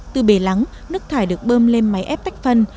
từ bể lắng nước thải được bơm lên máy ép tách phân